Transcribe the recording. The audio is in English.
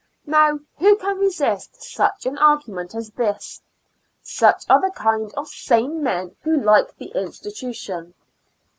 Now who can resist such an argu ment as this? Such are the kind of sane men who like the institution.